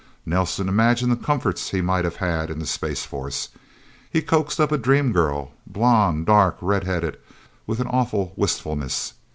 Nelsen imagined the comforts he might have had in the Space Force. He coaxed up a dream girl blonde, dark, red headed with an awful wistfulness.